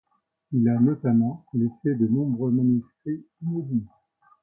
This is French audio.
Il a notamment laissé de nombreux manuscrits inédits.